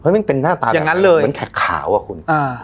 เพราะมันเป็นหน้าตาแบบอย่างงั้นเลยเหมือนแขกขาวอ่ะคุณอ่า